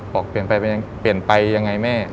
บอกเปลี่ยนไปยังไงแม่